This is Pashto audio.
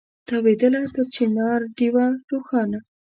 تاوېدله تر چنار ډېوه روښانه